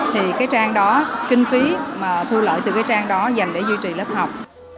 thì cái trang đó kinh phí mà thu lợi từ cái trang đó dành để duy trì lớp học